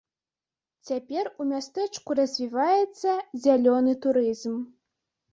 Цяпер у мястэчку развіваецца зялёны турызм.